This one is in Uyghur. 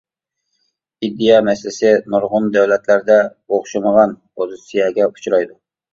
ئىدىيە مەسىلىسى نۇرغۇن دۆلەتلەردە ئوخشىمىغان پوزىتسىيەگە ئۇچرايدۇ.